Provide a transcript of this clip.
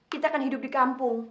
kita akan hidup di kampung